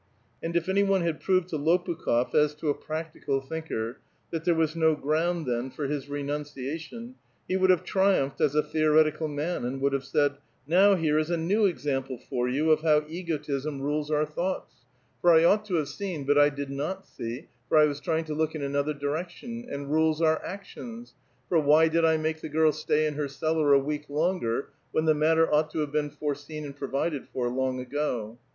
" And if any one had proved to Lopukh6f , as to a practical thinker, that there was no ground then for his renunciation, he would have tri umphed as a theoretical man, and would have said :" Now here is a new example for you of how egotism rules our A VITAL QUESTION. 133 thoughts (for I ought to have seen, but I did not see, for I was trying to look in another direction), and rules our ac tions ; for why did I make the girl stay in her ' cellar' a week longer, when the matter ought to have been foreseen and pro vided for long ago